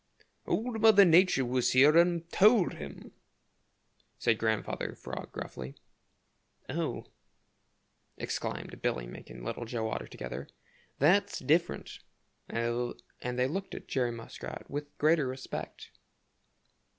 "Old Mother Nature was here and told him," said Grandfather Frog gruffly. "Oh!" exclaimed Billy Mink and Little Joe Otter together. "That's different," and they looked at Jerry Muskrat with greater respect.